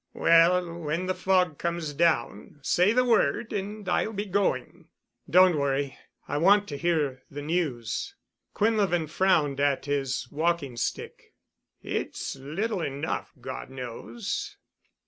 "Well, when the fog comes down, say the word and I'll be going." "Don't worry. I want to hear the news." Quinlevin frowned at his walking stick. "It's little enough, God knows."